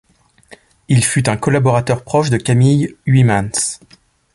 Il fut un collaborateur proche de Camille Huysmans.